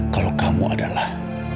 kalau kamu adalah